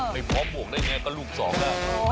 ไม่พ้อบวกได้อย่างไรก็ลูกสองแล้ว